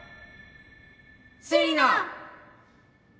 セリナ！